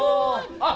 あっ。